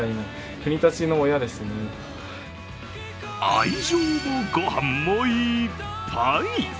愛情のご飯もいっぱい。